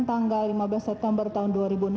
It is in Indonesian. tanggal lima belas september tahun dua ribu enam belas